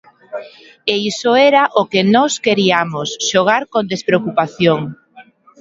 E iso era o que nós queriamos: xogar con despreocupación.